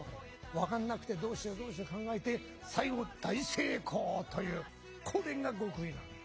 わかんなくて「どうしようどうしよう」考えて最後大成功というこれが極意なのよ。